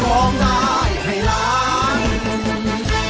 ร้องได้ให้ล้าน